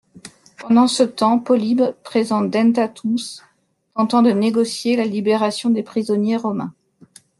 Pendant ce temps, Polybe présente Dentatus tentant de négocier la libération des prisonniers romains.